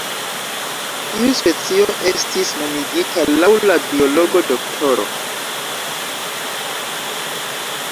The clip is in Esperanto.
Tiu specio estis nomigita laŭ la biologo Dro.